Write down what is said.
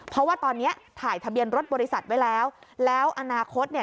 เพราะว่าตอนนี้ถ่ายทะเบียนรถบริษัทไว้แล้วแล้วอนาคตเนี่ย